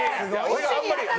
俺あんまり。